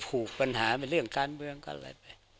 ผูกปัญหาไปเรื่องการเมืองอะไรไป